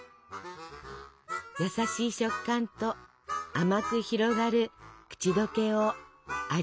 優しい食感と甘く広がる口どけを味わって。